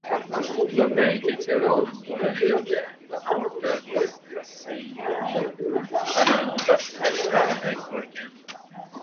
Bunday kechalarni bolaligimda, oʻrta Rossiyaning baland-past dashtlarida koʻrganman.